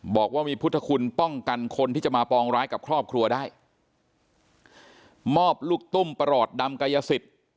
มอบลูกตุ้มประหลอดดำกายสิทธิ์